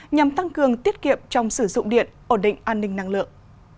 nhằm tăng cường tiết kiệm trong sử dụng điện ổn định an ninh năng lượng